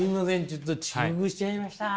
ちょっと遅刻しちゃいました。